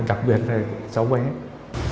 đặc biệt là cháu bé